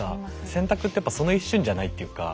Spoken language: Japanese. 選択ってやっぱその一瞬じゃないっていうか